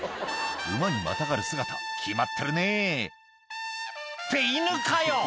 馬にまたがる姿決まってるねって犬かよ！